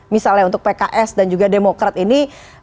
misalnya untuk pks dan juga demokrat ini